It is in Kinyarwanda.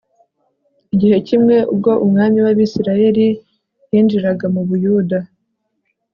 Igihe kimwe ubwo umwami wAbisirayeli yinjiraga mu Buyuda